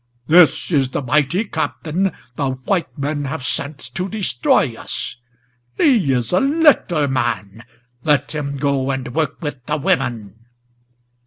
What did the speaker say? This is the mighty Captain the white men have sent to destroy us! He is a little man; let him go and work with the women!"